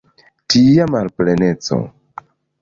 Tia malpleneco!